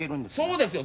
そうですよ